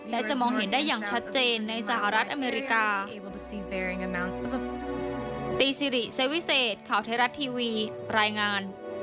และจะมองเห็นได้อย่างชัดเจนในสหรัฐอเมริกา